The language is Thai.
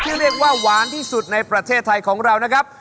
เรียกว่าหวานที่สุดในประเทศไทยของเรานะครับ